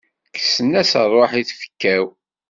Kksen-as rruḥ i tfekka-w.